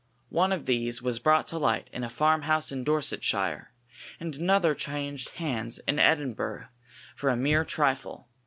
One of these was brought to light in a farm house in Dorsetshire, and another changed hands in Edinburgh for a mere trifle.